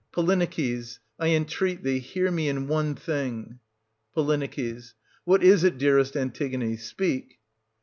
Polyneices, I entreat thee, hear me in one thing ! Po. What is it, dearest Antigone ? Speak